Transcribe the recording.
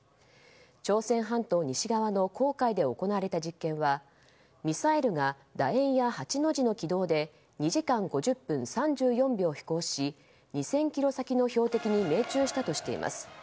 朝鮮半島西側の黄海で行われた実験はミサイルが楕円や８の字の軌道で２時間５０分３４秒飛行し２０００ｋｍ先の標的に命中したとしています。